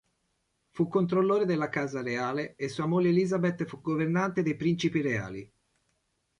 Fu controllore della casa reale e sua moglie Elizabeth fu governante dei principi reali.